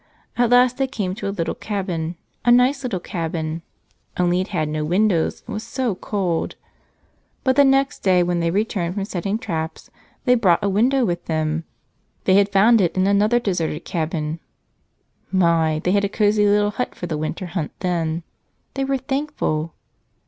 At last they came to a little cabin, a nice little cabin, only it had no windows and was so cold! But the next day when they returned from setting traps they brought a window with them. They had found it in another deserted cabin. My! they had a cozy little hut for the winter hunt then. They were thankful.